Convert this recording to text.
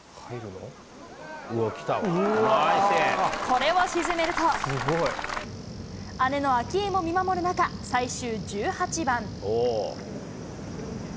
これを沈めると、姉の明愛も見守る中、最終１８番。